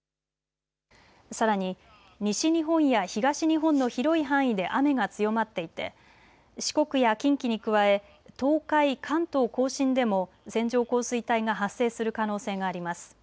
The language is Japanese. さらに西日本や東日本の広い範囲で雨が強まっていて四国や近畿に加え東海、関東甲信でも線状降水帯が発生する可能性があります。